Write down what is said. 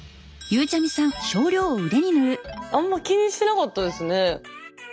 あんま気にしてなかったですね。